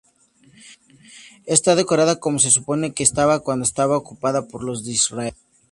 Está decorada como se supone que estaba cuando estaba ocupada por los Disraeli.